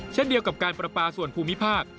เช่นเดียวกับการประปาส่วนภูมิภาค